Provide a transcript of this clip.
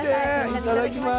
いただきます。